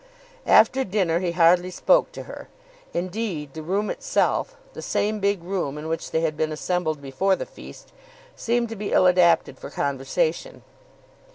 After dinner he hardly spoke to her; indeed, the room itself, the same big room in which they had been assembled before the feast, seemed to be ill adapted for conversation.